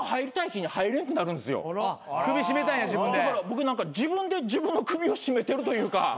僕何か自分で自分の首を絞めてるというか。